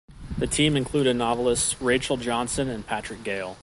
The team included the novelists Rachel Johnson and Patrick Gale.